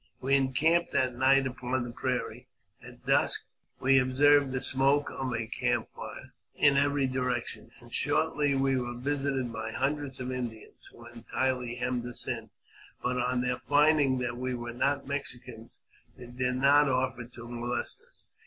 We encamped that night upon the prairie. At dusk we observed the smoke of camp fires in every direction, and shortly we were visited by hundreds of Indians, who entirely hemmed us in ; but, on their finding that we were not Mexicans, they did not offer to molest us.